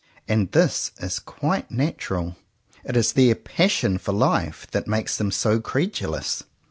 And this is quite natural. It is their passion for life that makes them so credulous.